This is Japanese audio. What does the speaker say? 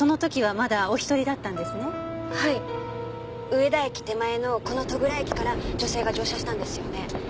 上田駅手前のこの戸倉駅から女性が乗車したんですよね？